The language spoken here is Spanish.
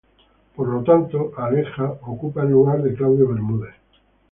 Por lo tanto, Alexa ocupa el lugar de Claudio Bermúdez.